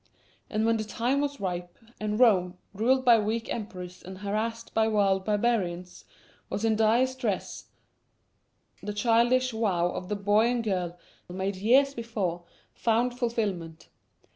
And when the time was ripe, and Rome, ruled by weak emperors and harassed by wild barbarians, was in dire stress, the childish vow of the boy and girl made years before found fulfilment.